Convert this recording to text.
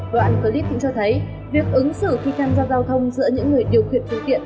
đoàn clip cũng cho thấy việc ứng xử khi can giao giao thông giữa những người điều khiển phương tiện